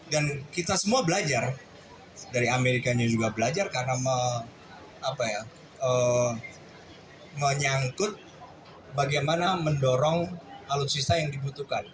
dan kita semua belajar dari amerika juga belajar karena menyangkut bagaimana mendorong alutsista yang dibutuhkan